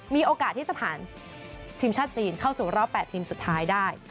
มีโอกาสที่จะผ่านทีมชาติจีนเข้าสู่รอบ๘ทีมสุดท้ายได้